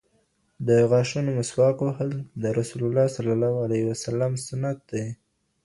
د غاښونو مسواک وهل د رسول الله سنت دی.